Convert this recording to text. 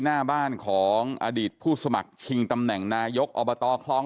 หน้าบ้านของอดีตผู้สมัครชิงตำแหน่งนายกอบตคลอง